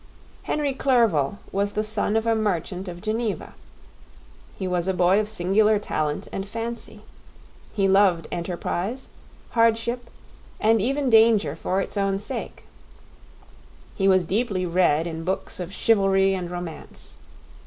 Henry Clerval was the son of a merchant of Geneva. He was a boy of singular talent and fancy. He loved enterprise, hardship, and even danger for its own sake. He was deeply read in books of chivalry and romance.